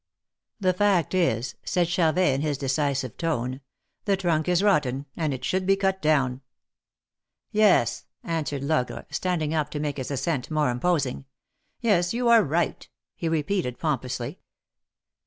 The fact is," said Charvet, in his decisive tone, the trunk is rotten, and it should be cut down !" Yes," answered Logre, standing up to make his assent more imposing. Yes, you are right," he repeated, pompously.